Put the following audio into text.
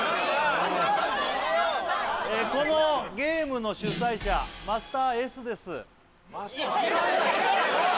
このゲームの主催者マスターＳです